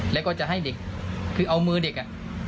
แล้วก็จะให้เด็กคือเอามือเด็กอ่ะ